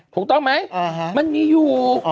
ถูกต้องไหมมันมีอยู่